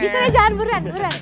bisa aja jangan buruan buruan